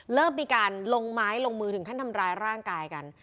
เริ่มมีการลงไม้ลงมือถึงขั้นทำร้ายร่างกายกัน